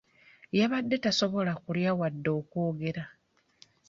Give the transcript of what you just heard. Yabadde tasobola kulya wadde okwogera.